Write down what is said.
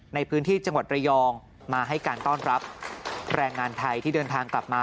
ในพื้นที่จังหวัดระยองมาให้การต้อนรับแรงงานไทยที่เดินทางกลับมา